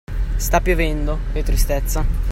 Sta piovendo, che tristezza!